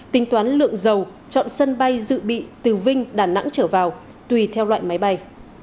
tính toán lượng dầu chọn sân bay dự bị từ vinh đà nẵng trở vào tùy theo loại máy bay